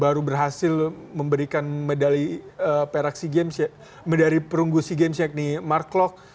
baru berhasil memberikan medali perungsi games yakni mark klok